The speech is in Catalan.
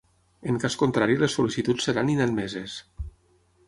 En cas contrari, les sol·licituds seran inadmeses.